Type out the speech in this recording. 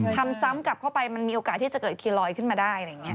ทำซ้ำกลับเข้าไปมันมีโอกาสที่จะเกิดคีลอยด์ขึ้นมาได้